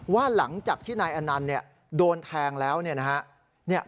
ว่าหลังจากที่นายอนันต์โดนแทงแล้วเนี่ยนะฮะ